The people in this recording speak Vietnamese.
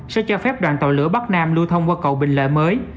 sẽ cho phép đoàn tàu lửa bắc nam lưu thông qua cầu bình lợi mới